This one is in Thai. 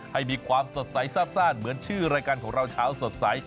ให้มีความสดใสซาบซ่านเหมือนชื่อรายการของเราเช้าสดใส